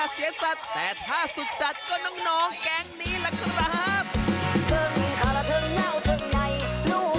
เขาเรียกว่าเสียชีพอย่าเสียสัตว์